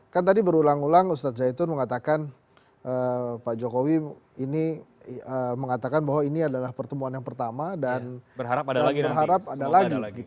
kan tadi berulang ulang ustadz zaitun mengatakan pak jokowi ini mengatakan bahwa ini adalah pertemuan yang pertama dan berharap ada lagi